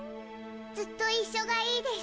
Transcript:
ずっと一緒がいいです。